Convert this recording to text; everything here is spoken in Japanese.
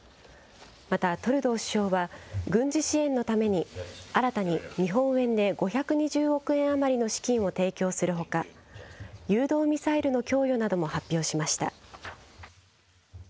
また、トルドー首相は、軍事支援のために新たに日本円で５２０億円余りの資金を提供するほか、誘導ミサイルの供与なども発表しました。